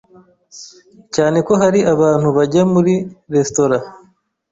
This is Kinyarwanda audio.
cyane ko hari abantu bajya muri restaurants,